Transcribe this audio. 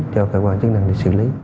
cho cơ quan chức năng để xử lý